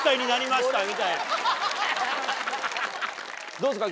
どうですか？